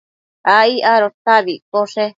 ai adota abi iccoshe